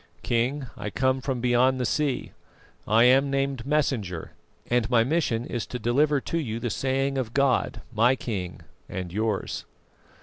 "King, I come from beyond the sea; I am named Messenger, and my mission is to deliver to you the saying of God, my King and yours."